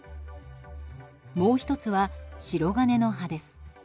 もう１つは「しろがねの葉」です。